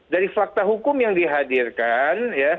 dari fakta hukum yang dihadirkan